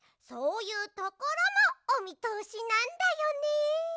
そういうところもおみとおしなんだよね。